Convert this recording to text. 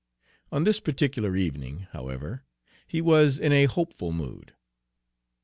On this particular evening, however, he was in a hopeful mood.